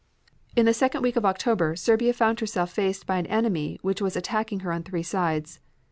In the second week of October Serbia found herself faced by an enemy which was attacking her on three sides.